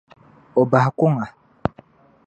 O bahi kuŋa.